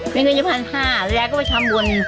เป็นคนอยู่๑๕๐๐บาทแล้วก็ไปทำบุญ